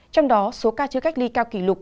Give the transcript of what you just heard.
trong đó số ca chưa cách ly cao kỷ lục